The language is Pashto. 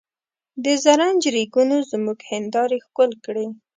د زرنج ریګونو زموږ هندارې ښکل کړې.